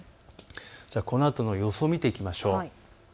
このあとの予想を見ていきましょう。